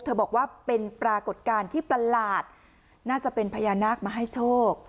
บอกว่าเป็นปรากฏการณ์ที่ประหลาดน่าจะเป็นพญานาคมาให้โชค